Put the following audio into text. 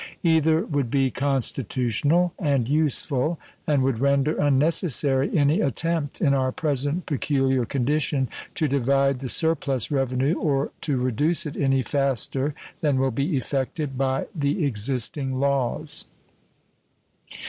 Either would be constitutional and useful, and would render unnecessary any attempt in our present peculiar condition to divide the surplus revenue or to reduce it any faster than will be effected by the existing laws.